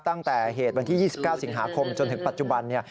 ตั้งแต่เหตุวันที่๒๙สิงหาคมจนถึงปัจจุบัน